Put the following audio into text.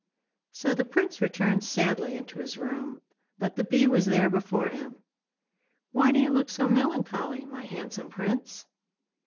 So the prince returned sadly into his room, but the bee was there before him. 'Why do you look so melancholy, my handsome Prince?